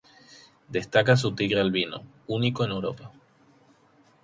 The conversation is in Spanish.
Destaca su tigre albino, único en Europa.